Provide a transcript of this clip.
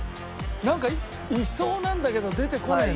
なんかいそうなんだけど出てこねえな。